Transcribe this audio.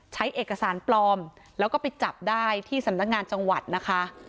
ใช้เอกสารปลอมแล้วก็ไปจับได้ที่สำนักงานจังหวัดนะคะ